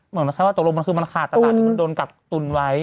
หมายถึงว่าตกลงคือมันขาดตลาดที่มันโดนกักตุนไว้